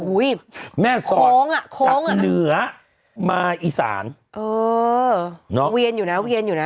อุ้ยแม่ศอดของอ่ะของอ่ะจากเหนือมาอีสานเออเนาะเวียนอยู่น่ะเวียนอยู่น่ะ